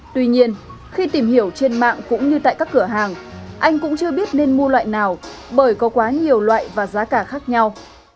tuy nhiên khi tìm hiểu trên mạng cũng như tại các cửa hàng anh cũng chưa biết nên mua loại nào bởi có quá nhiều loại và giá cả khác nhau